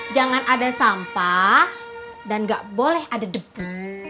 jangan ada sampah dan gak boleh ada debu